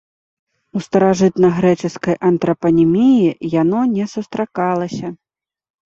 У старажытнагрэчаскай антрапаніміі яно не сустракалася.